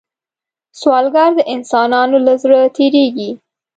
سوالګر د انسانانو له زړه تېرېږي